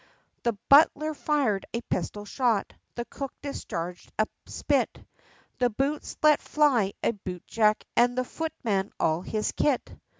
The butler fired a pistol shot, the cook discharged a spit! The boots let fly a bootjack, and the footman all his kit!